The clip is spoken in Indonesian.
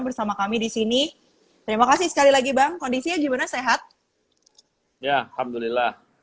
bersama kami di sini terima kasih sekali lagi bang kondisinya gimana sehat ya alhamdulillah